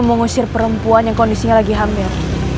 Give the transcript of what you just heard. kamu mau ngusir perempuan yang kondisinya lagi hamil